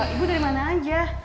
ibu dari mana aja